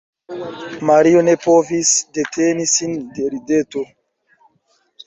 Mario ne povis deteni sin de rideto.